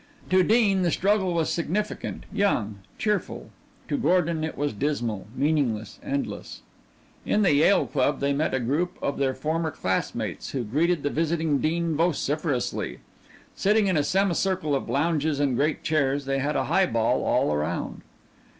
To Dean the struggle was significant, young, cheerful; to Gordon it was dismal, meaningless, endless. In the Yale Club they met a group of their former classmates who greeted the visiting Dean vociferously. Sitting in a semicircle of lounges and great chairs, they had a highball all around.